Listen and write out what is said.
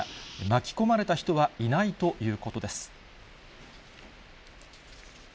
巻き込まれた人はいないということです。